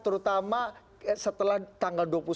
terutama setelah tanggal dua puluh satu dua puluh dua mei